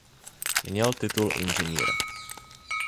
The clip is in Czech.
Měl titul inženýra.